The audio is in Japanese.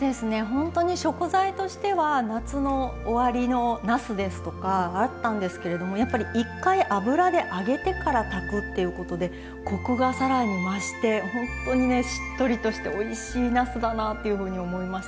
ほんとに食材としては夏の終わりのなすですとかあったんですけれどもやっぱり一回油で揚げてから炊くっていうことでコクがさらに増してほんとにねしっとりとしておいしいなすだなっていうふうに思いました。